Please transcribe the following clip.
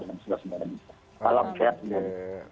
dengan segala segala alam sehat